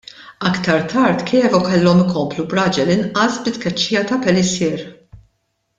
Aktar tard Chievo kellhom ikomplu b'raġel inqas bit-tkeċċija ta' Pellissier.